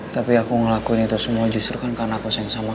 tapi aku ngelakuin itu semua justru kan karena aku sengsam banget ya abah